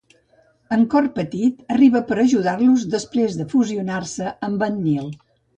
En Cor Petit arriba per ajudar-los després de fusionar-se amb en Nil.